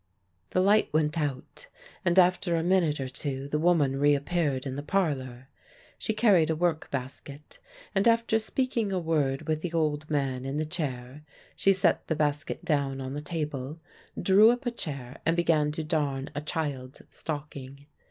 The light went out, and after a minute or two the woman reappeared in the parlour. She carried a work basket, and after speaking a word with the old man in the chair she set the basket down on the table, drew up a chair and began to darn a child's stocking.